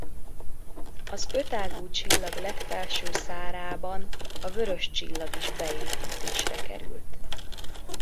Az ötágú csillag legfelső szárában a vörös csillag is beépítésre került.